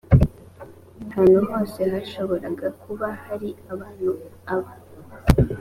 hantu hose hashobora kuba hari abantu aba